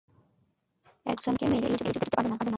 একজন হায়দারকে মেরে তোমরা এই যুদ্ধে জিততে পারবে না।